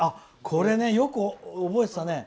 これね、よく覚えてたね。